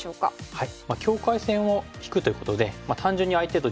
はい。